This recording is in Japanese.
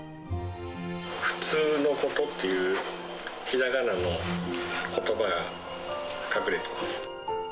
ふつうのことっていう、ひらがなのことばが隠れてます。